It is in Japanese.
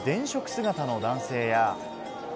姿の男性や。